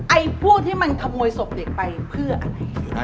ไอ้พวกที่มันขโมยศพเด็กไปเพื่ออะไร